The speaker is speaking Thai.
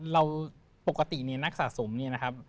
เราปกติเนี่ยนักสะสมเนี่ยนะครับ